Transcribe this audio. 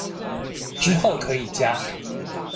之後可以加